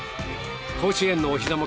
甲子園のお膝元